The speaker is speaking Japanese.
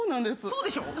そうでしょ？